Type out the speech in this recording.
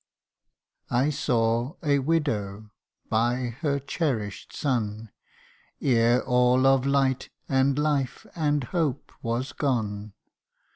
'" I saw a widow, by her cherish 'd son, Ere all of light, and life, and hope, was gone CANTO HI.